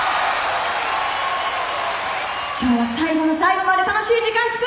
今日は最後の最後まで楽しい時間つくっていこうね。